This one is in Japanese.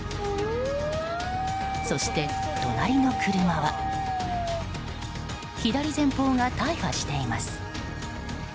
そして、隣の車は左前方が大破しています。